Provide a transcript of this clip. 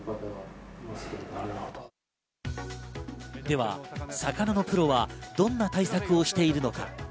では、魚のプロはどんな対策をしているのか。